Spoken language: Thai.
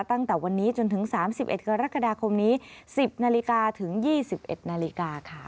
ตั้งแต่วันนี้จนถึง๓๑กรกฎาคมนี้๑๐นาฬิกาถึง๒๑นาฬิกาค่ะ